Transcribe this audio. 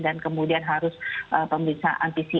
dan kemudian harus pemisah anti cr tiga kali negatif